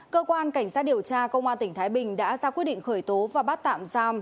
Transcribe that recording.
cơ quan cảnh sát điều tra công an tỉnh thái bình đã ra quyết định khởi tố và bắt tạm giam